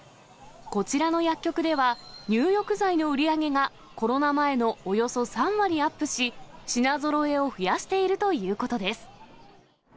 こちらの薬局では、入浴剤の売り上げが、コロナ前のおよそ３割アップし、品ぞろえを増やしているということです。